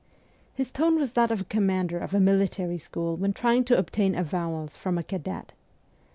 His tone was that of a commander of a military school when trying to obtain ' avowals ' from a cadet.